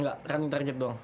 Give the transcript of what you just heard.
nggak running target doang